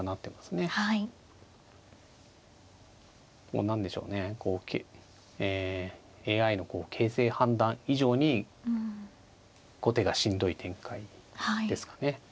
もう何でしょうねこうえＡＩの形勢判断以上に後手がしんどい展開ですかね。